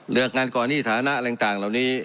เราการก่อหนี้ฐานะหลังต่างเหล่านี้